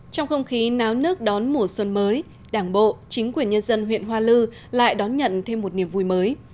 trong không khí náo nước đón mùa xuân mới đảng bộ chính quyền nhân dân huyện hoa lư lại đón nhận thêm một niềm vui mới